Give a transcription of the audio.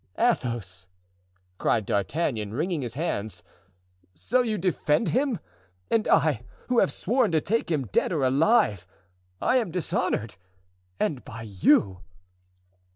"Athos!" cried D'Artagnan, wringing his hands. "So you defend him! And I, who have sworn to take him dead or alive, I am dishonored—and by you!"